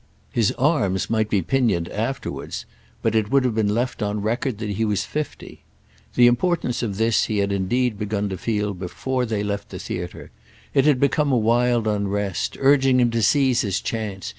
His arms might be pinioned afterwards, but it would have been left on record that he was fifty. The importance of this he had indeed begun to feel before they left the theatre; it had become a wild unrest, urging him to seize his chance.